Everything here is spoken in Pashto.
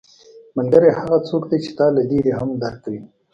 ملګری هغه څوک دی چې تا له لرې هم درک کوي